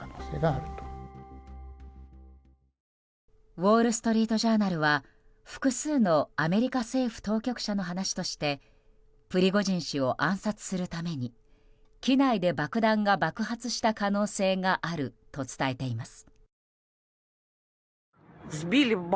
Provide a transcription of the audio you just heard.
ウォール・ストリート・ジャーナルは複数のアメリカ政府当局者の話としてプリゴジン氏を暗殺するために機内で爆弾が爆発した可能性があると伝えています。